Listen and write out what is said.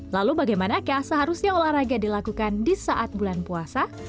lalu bagaimanakah seharusnya olahraga dilakukan di saat bulan puasa